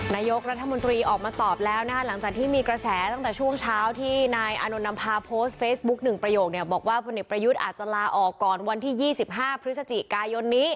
นายกรัฐมนตรีออกมาตอบแล้วนะคะหลังจากที่มีกระแสตั้งแต่ช่วงเช้าที่นายอานนท์นำพาโพสต์เฟซบุ๊กหนึ่งประโยคเนี่ยบอกว่าพลเอกประยุทธ์อาจจะลาออกก่อนวันที่๒๕พฤศจิกายนนี้